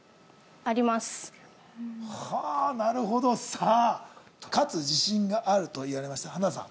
ありますはあーなるほどさあ勝つ自信があると言われました花田さん